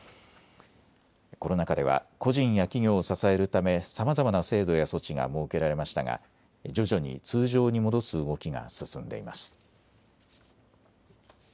コロナ禍では個人や企業を支えるため、さまざまな制度や措置が設けられましたが徐々に通常に戻す動きが進んでいます。